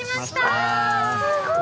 うわすごい。